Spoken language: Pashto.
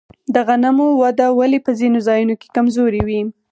د غنمو وده ولې په ځینو ځایونو کې کمزورې وي؟